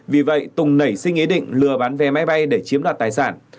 vì vậy tùng nảy sinh ý định lừa bán vé máy bay để chiếm đoạt tài sản